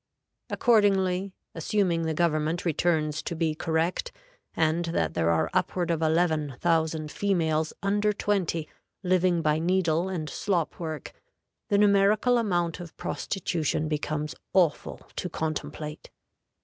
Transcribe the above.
Accordingly, assuming the government returns to be correct, and that there are upward of eleven thousand females under twenty living by needle and slop work, the numerical amount of prostitution becomes awful to contemplate."